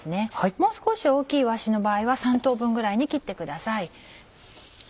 もう少し大きいいわしの場合は３等分ぐらいに切ってください。